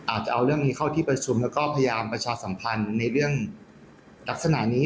จะเอาเรื่องนี้เข้าที่ประชุมแล้วก็พยายามประชาสัมพันธ์ในเรื่องลักษณะนี้